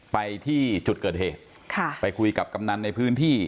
ไปที่จุดเกิดเหตุค่ะไปคุยกับกำนันในพื้นที่